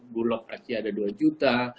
bulog aci ada dua juta